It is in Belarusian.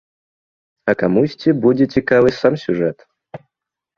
А камусьці будзе цікавы сам сюжэт.